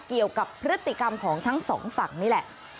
เกี่ยวกับพฤติกรรมของทั้งสองฝั่งนี่แหละ